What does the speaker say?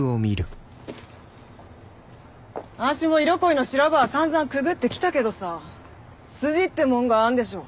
私も色恋の修羅場はさんざんくぐってきたけどさ筋ってもんがあんでしょ。